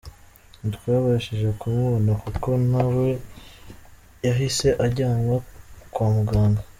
Ntitwabashije kumubona kuko na we yahise ajyanwa kwa muganga.